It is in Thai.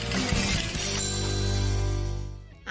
วันนี้พาลงใต้สุดไปดูวิธีของชาวเล่น